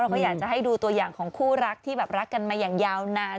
ก็อยากจะให้ดูตัวอย่างของคู่รักที่แบบรักกันมาอย่างยาวนาน